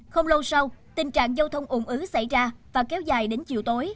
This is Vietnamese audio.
không lâu sau tình trạng giao thông ủng ứ xảy ra và kéo dài đến chiều tối